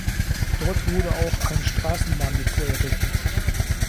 Dort wurde auch ein Straßenbahndepot errichtet.